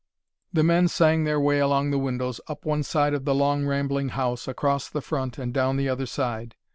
The men sang their way along the windows, up one side of the long, rambling house, across the front, and down the other side.